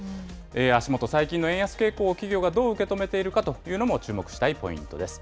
足元、最近の円安傾向を企業がどう受け止めているかというのも注目したいポイントです。